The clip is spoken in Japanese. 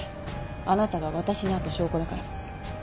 あなたが私に会った証拠だから。